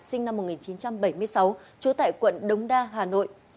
sinh năm một nghìn chín trăm bảy mươi sáu trú tại quận đống đa hà nội